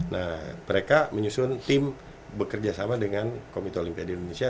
nah mereka menyusun tim bekerjasama dengan komite olimpiade indonesia